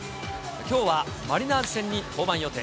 きょうはマリナーズ戦に登板予定。